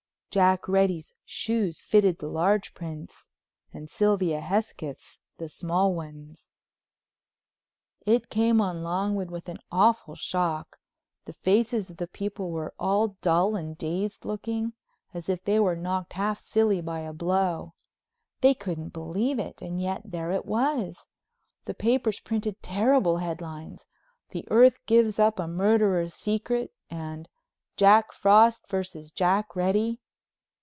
Jack Reddy's shoes fitted the large prints and Sylvia Hesketh's the small ones! It came on Longwood with an awful shock. The faces of the people were all dull and dazed looking, as if they were knocked half silly by a blow. They couldn't believe it—and yet there it was! The papers printed terrible headlines—"The Earth gives up a Murderer's Secret"—and "Jack Frost versus Jack Reddy."